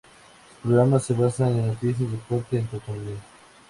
Sus programas se basan en noticias, deporte y entretenimiento.